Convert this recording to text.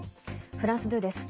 フランス２です。